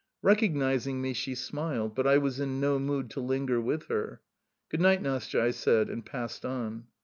Recognizing me she smiled; but I was in no mood to linger with her. "Good night, Nastya!" I said, and passed on.